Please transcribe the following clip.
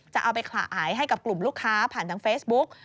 จะเอาไปขายให้กับกลุ่มลูกค้าผ่านทางเฟซบุ๊ก